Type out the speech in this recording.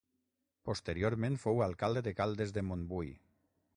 Posteriorment fou alcalde de Caldes de Montbui.